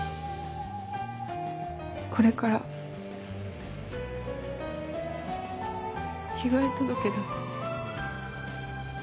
これから被害届出す。